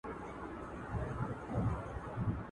نه د سرو ملو پیمانه سته زه به چیري ځمه.